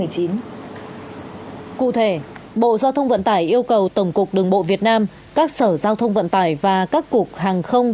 cụ thể bộ giao thông vận tải yêu cầu tổng cục đường bộ việt nam các sở giao thông vận tải và các cục hàng không